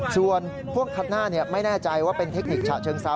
ส่วนพ่วงคันหน้าไม่แน่ใจว่าเป็นเทคนิคฉะเชิงเซา